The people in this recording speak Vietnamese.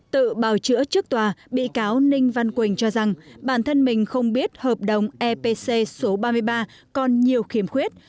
tự bào chữa trước tòa bị cáo ninh văn quỳnh cho rằng bản thân mình không biết hợp đồng epc số ba mươi ba còn nhiều khiếm khuyết